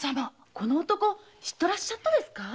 この男知っとらっしゃっとですか？